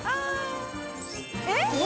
えっ？